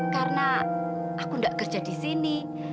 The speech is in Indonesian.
karena aku enggak kerja di sini